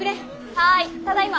はいただいま。